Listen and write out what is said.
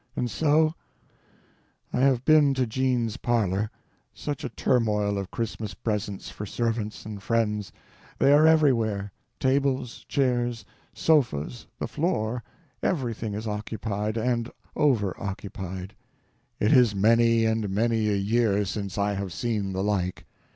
And so— I have been to Jean's parlor. Such a turmoil of Christmas presents for servants and friends! They are everywhere; tables, chairs, sofas, the floor—everything is occupied, and over occupied. It is many and many a year since I have seen the like.